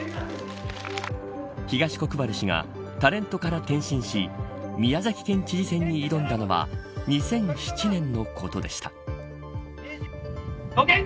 東国原氏がタレントから転身し宮崎県知事選に挑んだのは２００７年のことでした。